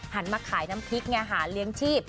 มาขายน้ำพริกไงหาเลี้ยงชีพ